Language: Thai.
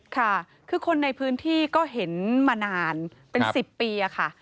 ค่ะคือคนในพื้นที่ก็เห็นมานานเป็น๑๐ปีค่ะ